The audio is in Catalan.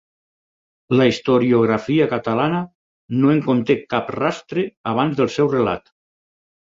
La historiografia catalana no en conté cap rastre abans del seu relat.